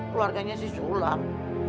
keluarganya sih sulam